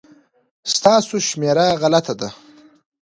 ستاسو شمېره غلطه ده